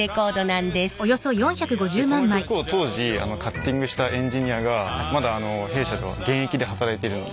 でこの曲を当時カッティングしたエンジニアがまだ弊社では現役で働いているので。